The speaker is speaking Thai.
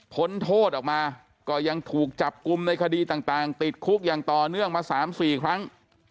พ้นโทษออกมาก็ยังถูกจับกลุ่มในคดีต่างติดคุกอย่างต่อเนื่องมา๓๔ครั้ง